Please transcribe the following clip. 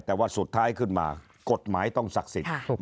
แต่ว่าสุดท้ายขึ้นมากฎหมายต้องศักดิ์สิทธิ์